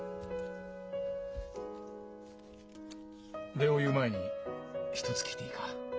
礼を言う前に一つ聞いていいか？